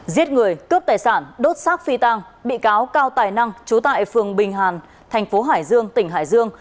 giết người cướp tài sản đốt xác phi tàng bị cáo cao tài năng chú tại phường bình hàn thành phố hải dương tỉnh hải dương